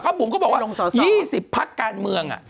ครับบุ๋มก็บอกว่า๒๐ภการเมือง